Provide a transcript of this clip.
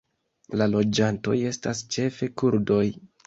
La loĝantoj estas ĉefe kurdoj.